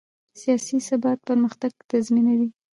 سیاسي ثبات پرمختګ تضمینوي